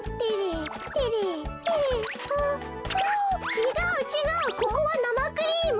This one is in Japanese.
ちがうちがうここはなまクリーム！